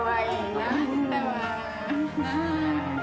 なあ？